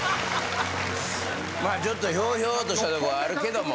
ちょっとひょうひょうとしたとこあるけども。